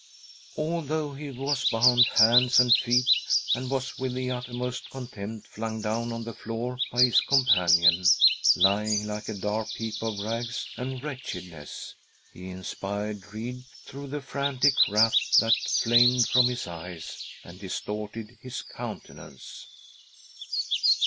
Although he was bound hands and feet, and was with the uttermost contempt flung down on the floor by his companion, lying like a dark heap of rags and wretchedness, he inspired dread through the frantic wrath that flamed from his eyes and distorted his countenance.